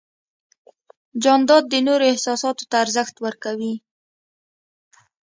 جانداد د نورو احساساتو ته ارزښت ورکوي.